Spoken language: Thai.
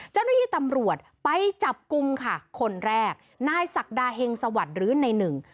เจ้าหน้าที่ตำรวจไปจับกลุ่มค่ะคนแรกนายศักดาเฮงสวัสดิ์หรือในหนึ่ง